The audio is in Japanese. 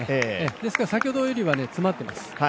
ですから先ほどよりは詰まっています。